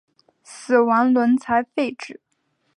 死亡轮才废止。